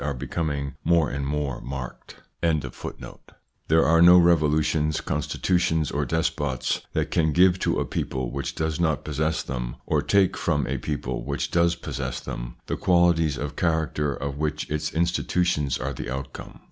1 There are no revolutions, constitutions, or despots that can give to a people which does not possess them, or take from a people which does possess them, the qualities of character of which its institutions are the outcome.